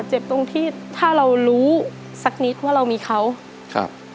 เจ็บตรงที่ถ้าเรารู้สักนิดว่าเรามีเขาครับ